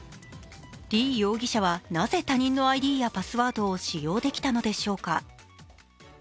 李容疑者は、なぜ他人のＩＤやパスワードを使用できたのでしょうか。